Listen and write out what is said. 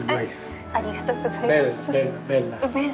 ありがとうございます。